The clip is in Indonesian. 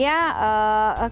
kalau pak kamarudin